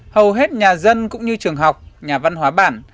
hầu hết nhà dân cũng như trường học nhà văn hóa bản